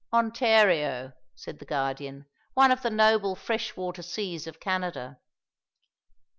"Ontario," said the Guardian, "one of the noble fresh water seas of Canada."